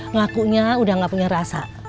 ngakunya udah ga punya rasa